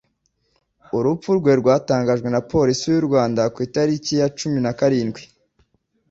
Urupfu rwe rwatangajwe na polisi y'u Rwanda ku itariki ya cumina nakarindwi